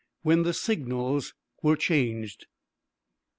WHEN THE SIGNALS WERE CHANGED.